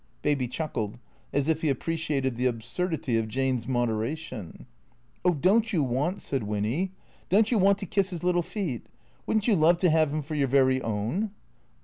Baby chuckled as if he appreciated the absurdity of Jane's moderation. " Oh, don't you want," said Winny, " don't you want to kiss his little feet? Wouldn't you love to have him for your very own